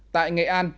tại nghệ an